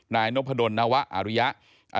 นายนพดลนวะอาริยะ